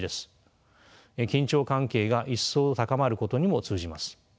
緊張関係が一層高まることにも通じます。